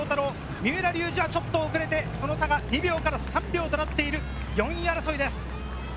三浦龍司はちょっと遅れて、その差は２秒から３秒となっている４位争いです。